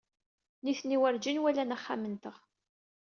Nitni werǧin walan axxam-nteɣ.